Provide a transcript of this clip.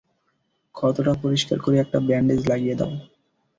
ক্ষতটা পরিষ্কার করে একটা ব্যান্ডেজ লাগিয়ে দাও।